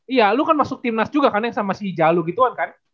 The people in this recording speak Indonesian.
iya lu kan masuk tim nas juga kan yang sama si jalu gituan kan